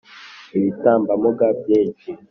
ibitambambuga byinshi